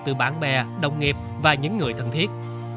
từ bạn bè đồng nghiệp và những người thân thiết